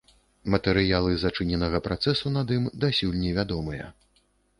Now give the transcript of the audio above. Матэрыялы зачыненага працэсу над ім дасюль не вядомыя.